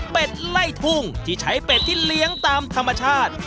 ไล่ทุ่งที่ใช้เป็ดที่เลี้ยงตามธรรมชาติ